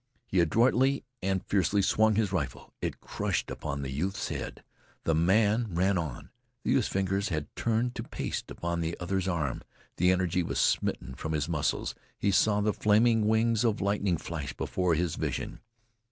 He adroitly and fiercely swung his rifle. It crushed upon the youth's head. The man ran on. The youth's fingers had turned to paste upon the other's arm. The energy was smitten from his muscles. He saw the flaming wings of lightning flash before his vision.